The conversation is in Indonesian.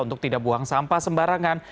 untuk tidak buang sampah sembarangan